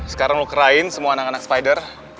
sekarang lo kerain semua anak anak spider